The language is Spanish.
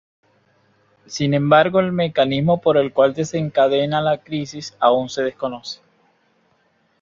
Sin embargo el mecanismo por el cual desencadena las crisis aún se desconoce.